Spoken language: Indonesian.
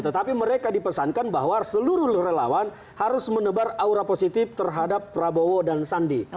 tetapi mereka dipesankan bahwa seluruh relawan harus menebar aura positif terhadap prabowo dan sandi